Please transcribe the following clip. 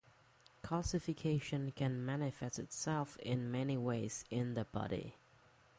Calcification can manifest itself in many ways in the body.